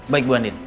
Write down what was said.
baik bu andin